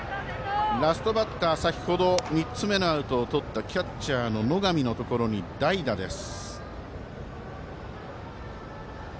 ラストバッター、先ほど３つ目のアウトをとった野上のところに代打です。